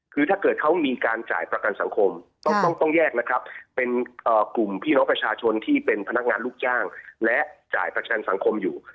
คือถ้าเกิดเขามีการจ่ายประกันสังคมต้องแยกนะครับเป็นกลุ่มพี่น้องประชาชนที่เป็นพนักงานลูกจ้างและจ่ายประกันสังคมอยู่